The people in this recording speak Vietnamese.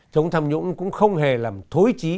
chống tham nhũng cũng không hề làm thối trí